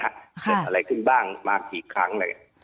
เกิดอะไรขึ้นบ้างมากี่ครั้งเลย